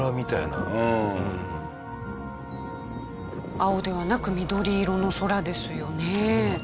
青ではなく緑色の空ですよね。